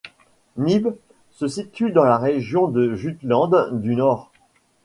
Nibe se situe dans la région de Jutland du Nord.